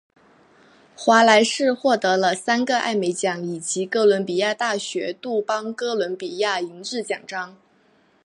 华莱士获得了三个艾美奖以及哥伦比亚大学杜邦哥伦比亚银质奖章。